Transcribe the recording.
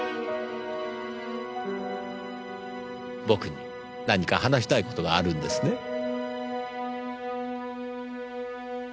僕に何か話したい事があるんですね？